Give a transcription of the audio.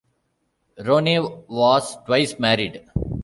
Ronay was twice married.